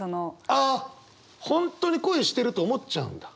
ああ本当に恋してると思っちゃうんだ。